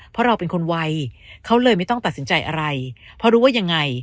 เพราะเราเป็นคนไวเขาเลยไม่ต้องตัดสินใจอะไรเพราะรู้ว่ายังไง